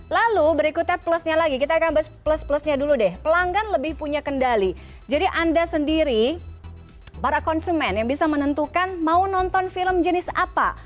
lalu berikutnya plusnya lagi kita akan plus plusnya dulu deh pelanggan lebih punya kendali jadi anda sendiri para konsumen yang bisa menentukan mau nonton film jenis apa